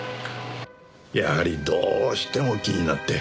やはりどうしても気になって。